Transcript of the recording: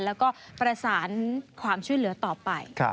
แล้วก็ประสานความช่วยเหลือต่อไป